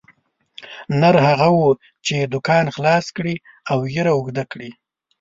نر هغه وو چې دوکان خلاص کړي او ږیره اوږده کړي.